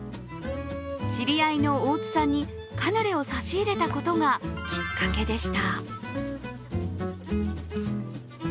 知り合いの大津さんにカヌレを差し入れたことがきっかけでした。